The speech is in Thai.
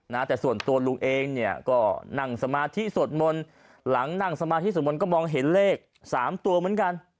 นะแต่ส่วนตัวลุงเองเนี่ยก็นั่งสมาธิสวดมนต์หลังนั่งสมาธิสวดมนต์ก็มองเห็นเลขสามตัวเหมือนกัน